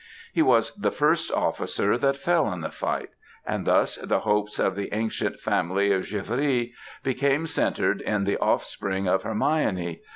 He was the first officer that fell in the fight, and thus the hopes of the ancient family of Givry became centered in the offspring of Hermione.